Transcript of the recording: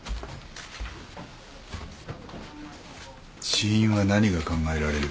死因は何が考えられる？